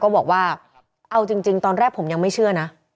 บอกว่าเอาจริงตอนแรกผมยังไม่เชื่อนะ